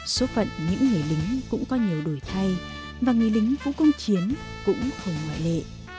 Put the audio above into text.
số phận những người lính cũng có nhiều đổi thay và người lính vũ công chiến cũng không ngoại lệ